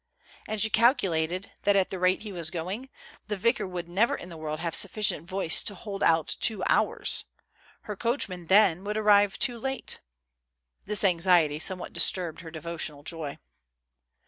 And she calcu lated that, at the rate he was going, the vicar would never in the world have sufficient voice to hold out two hours ; her coachman, then, would arrive too late. This anxiety somewhat disturbed her devotional joy.